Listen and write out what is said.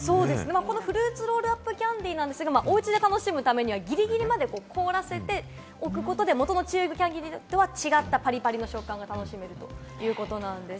フルーツロールアップキャンディなんですが、おうちで楽しむためにはギリギリまで凍らせておくことで元のチューイングキャンディとは違ったパリパリの食感が楽しめるということです。